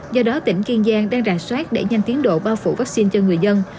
do đó tỉnh kiên giang đang rà soát để nhanh tiến độ bao phủ vaccine cho người dân